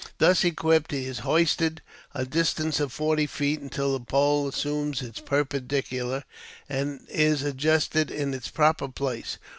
Thus equipped, he is hoisted a distance of forty feet^ until the pole assumes its perpendicularity and is adjusted i| its proper place.